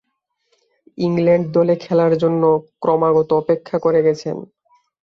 England দলে খেলার জন্য ক্রমাগত অপেক্ষা করে গেছেন।